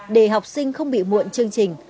để học sinh không bị muộn chương trình